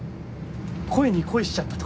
声に恋しちゃったとか？